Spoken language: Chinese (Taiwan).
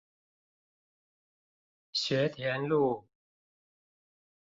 學田路